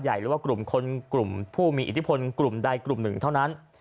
หรือว่ากลุ่มคนกลุ่มผู้มีอิทธิพลกลุ่มใดกลุ่มหนึ่งเท่านั้น